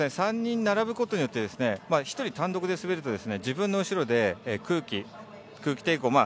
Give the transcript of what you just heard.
３人並ぶことによって１人で単独で滑ると自分の後ろで空気抵抗。